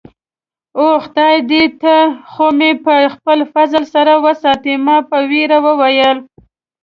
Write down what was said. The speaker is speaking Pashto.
اوه، خدایه، ته خو مې په خپل فضل سره وساتې. ما په ویره وویل.